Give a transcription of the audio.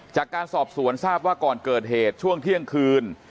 จากการสอบสวนทราบว่าก่อนเกิดเหตุช่วงเที่ยงคืน